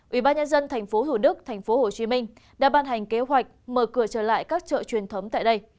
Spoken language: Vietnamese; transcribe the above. ủy ban nhân dân tp thủ đức tp hồ chí minh đã ban hành kế hoạch mở cửa trở lại các chợ truyền thống tại đây